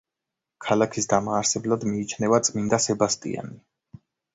ქალაქის დამაარსებლად მიიჩნევა წმინდა სებასტიანი.